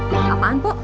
yaa apaan pok